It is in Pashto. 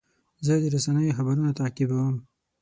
زه د رسنیو خبرونه تعقیبوم.